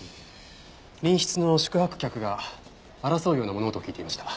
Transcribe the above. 隣室の宿泊客が争うような物音を聞いていました。